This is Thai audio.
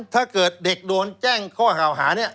ถ้าเด็กโดนแจ้งข้อถ่ายเนี่ย